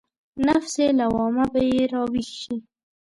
نفس لوامه به يې راويښ شي.